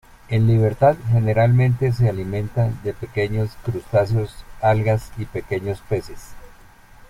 En libertad, generalmente se alimentan de pequeños crustáceos, algas, y pequeños peces.